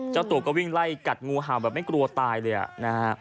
เจ้าตัวก็วิ่งไล่กัดงูเห่าแบบไม่กลัวตายเลยอ่ะนะฮะ